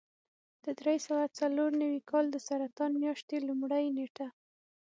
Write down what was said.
د درې سوه څلور نوي کال د سرطان میاشتې لومړۍ نېټه.